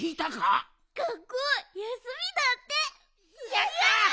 やった！